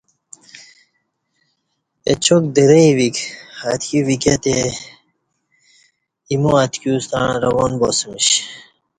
اچاک درئ وِیک اتکی وِکیہ تئے اِیمو اتکیوستݩع روان باسمیش۔